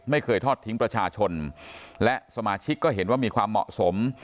ไม่เคยทอดทิ้งประชาชนและสมาชิกก็เห็นว่ามีความเหมาะสม